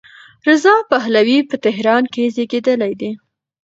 رضا پهلوي په تهران کې زېږېدلی دی.